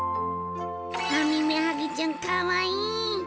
アミメハギちゃんかわいい！